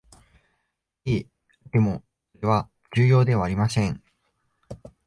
ええ、でもそれは重要ではありません